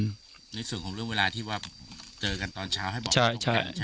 ในส่วนของเรื่องเวลาที่ว่าเจอกันตอนเช้าให้บอก